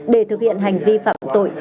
để thực hiện hành vi phạm tội